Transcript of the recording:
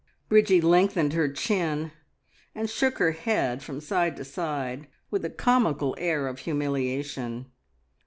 Bridgie lengthened her chin, and shook her head from side to side, with a comical air of humiliation.